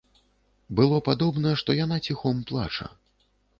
Было падобна, што яна ціхом плача.